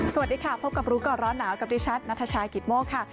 สวัสดีค่ะพบกับรู้ก่อนร้อนหนาวกับดิฉันนัทชายกิตโมกค่ะ